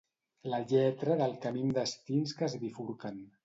La lletra del camí amb destins que es bifurquen.